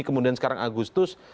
kemudian sekarang agustus